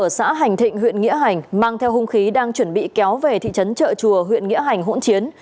xã hành thịnh huyện nghĩa hành mang theo hung khí đang chuẩn bị kéo về thị trấn trợ chùa huyện nghĩa hành hỗn chiến